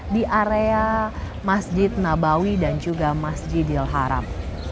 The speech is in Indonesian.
di area masjid nabawi dan juga masjidil haram